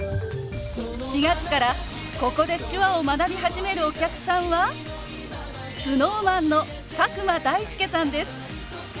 ４月からここで手話を学び始めるお客さんはＳｎｏｗＭａｎの佐久間大介さんです。